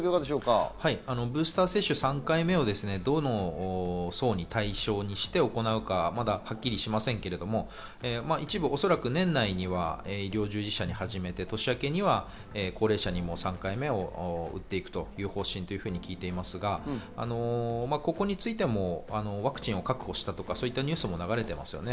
３回目をどの層を対象にして行うかまだはっきりしませんけど、おそらく一部年内には医療従事者から始めて、年明けには高齢者にも３回目を打っていくという方針と聞いていますが、ここについてもワクチンを確保したとか、そういうニュースも流れていますね。